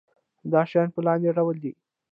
دا شیان په لاندې ډول دي.